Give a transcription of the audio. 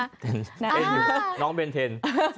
ตื่นอยู่น้องเบนเทนน์